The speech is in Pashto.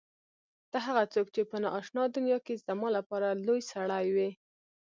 ته هغه څوک چې په نا آشنا دنیا کې زما لپاره لوى سړى وې.